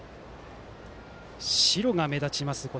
白が目立ちます